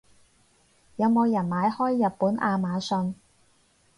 有冇人買開日本亞馬遜？